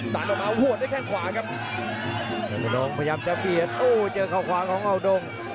ต่างออกมาอ่าวดได้แค่ขวาครับยอดธนงพยายามจะเบียดโอ้โหเจอเข้าขวาของอ่าวดง